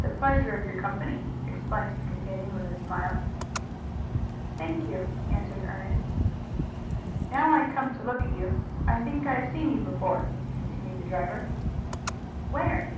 "The pleasure of your company," explained his companion with a smile. "Thank you," answered Ernest. "Now I come to look at you, I think I have seen you before," continued the driver. "Where?"